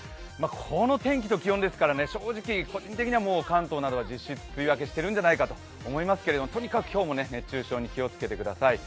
この天気と気温ですから正直、個人的には関東などは実質梅雨明けしているんじゃないかと思いますがとにかく今日も熱中症に気をつけてください。